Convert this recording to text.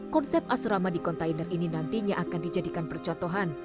konsep asrama di kontainer ini nantinya akan dijadikan percontohan